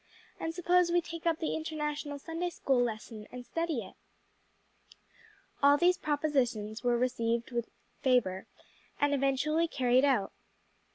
"And suppose we take up the International Sunday school Lesson and study it." All these propositions were received with favor and eventually carried out.